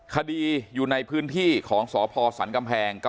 คดีอยู่ในพื้นที่ของสพสันกำแพง